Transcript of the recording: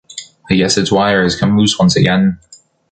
I guess its wire has come loose once again.